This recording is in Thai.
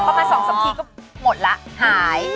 ประมาณ๒๓ทีก็หมดแล้วหาย